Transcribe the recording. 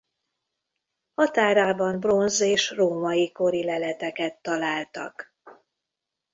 Határában bronz- és római kori leleteket találtak.